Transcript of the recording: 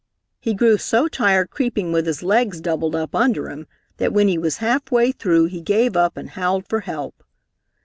He grew so tired creeping with his legs doubled up under him that when he was half way through he gave up and howled for help.